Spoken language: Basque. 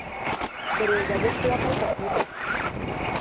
Bere jaiotze data ez da ziurra.